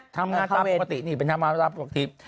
ทำงานตามปกตินี่ไปทำงานตามปกติ